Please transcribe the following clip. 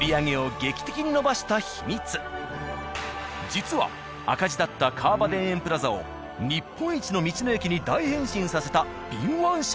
実は赤字だった川場田園プラザを日本一の道の駅に大変身させた敏腕社長が。